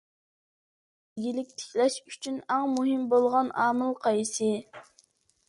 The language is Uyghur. ئىگىلىك تىكلەش ئۈچۈن ئەڭ مۇھىم بولغان ئامىل قايسى؟